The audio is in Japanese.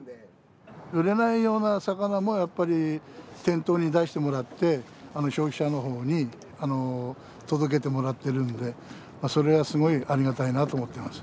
売れないような魚もやっぱり店頭に出してもらって消費者の方に届けてもらってるんでそれはすごいありがたいなと思ってます。